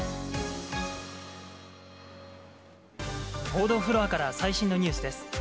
報道フロアから最新のニュースです。